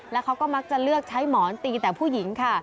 แล้วเขาก็มักจะเลือกใช้หมอนตีแต่ผู้หญิงค่ะ